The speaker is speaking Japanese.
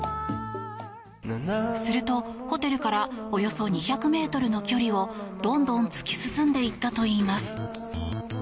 すると、ホテルからおよそ２００ｍの距離をどんどん突き進んでいったといいます。